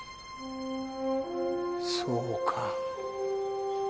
そうか。